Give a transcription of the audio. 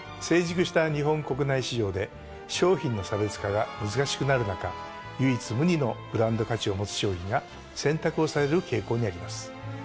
成熟した日本国内市場で商品の差別化が難しくなる中唯一無二のブランド価値を持つ商品が選択をされる傾向にあります。